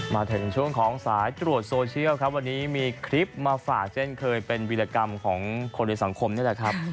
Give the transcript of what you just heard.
มาถึงช่วงของสายตรวจโซเชียลครับวันนี้มีคลิปมาฝากเช่นเคยเป็นวิรกรรมของคนในสังคมนี่แหละครับ